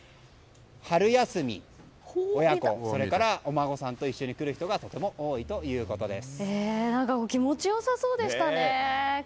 春休み親子、それからお孫さんと一緒に来る人がとても多いということです。